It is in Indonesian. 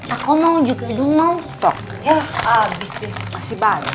aku mau juga dong ngomong soh abis masih banyak